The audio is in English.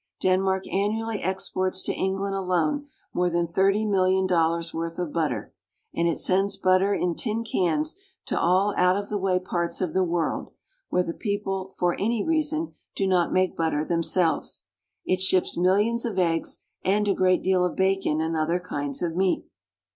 Denmark annually exports to England alone more than thirty million dollars' worth of butter, and it sends butter in tin cans to all out of the way parts of the world, where the people for any reason do not make butter them selves. It ships millions of eggs and a great deal of bacon and other kinds of meat.